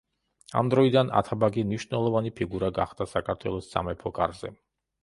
ამ დროიდან ათაბაგი მნიშვნელოვანი ფიგურა გახდა საქართველოს სამეფო კარზე.